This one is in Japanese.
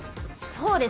そうですよ！